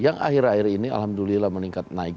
yang akhir akhir ini alhamdulillah meningkat naik